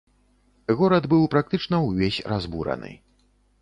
Горад быў практычна ўвесь разбураны.